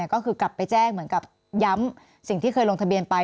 ก็คือกลับไปแจ้งเหมือนกับย้ำสิ่งที่เคยลงทะเบียนไป